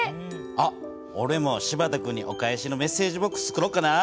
あっおれも柴田くんにお返しのメッセージボックスつくろっかな。